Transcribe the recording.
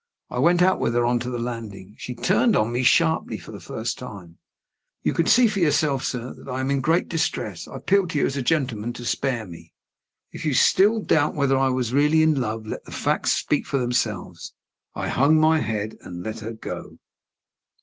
I went out with her on to the landing. She turned on me sharply for the first time. "You can see for yourself, sir, that I am in great distress. I appeal to you, as a gentleman, to spare me." If you still doubt whether I was really in love, let the facts speak for themselves. I hung my head, and let her go.